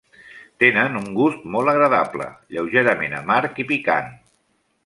Tenen un gust molt agradable, lleugerament amarg i picant.